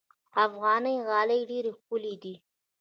افغاني غالۍ ډېرې ښکلې دي.